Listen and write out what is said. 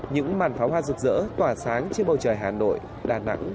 những màn pháo hoa rực rỡ tỏa sáng trên bầu trời hà nội đà nẵng